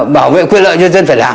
bảo vệ quyết lợi cho dân phải làm